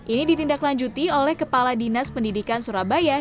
ini ditindaklanjuti oleh kepala dinas pendidikan surabaya